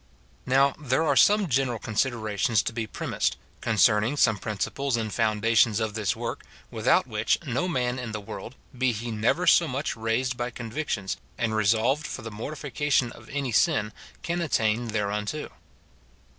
Now, there are some general considerations to be pre mised, concerning some principles and foundations of this work, without which no man in the world, be he never so much raised by convictions, and resolved for the mortifi cation of any sin, can attain thereunto.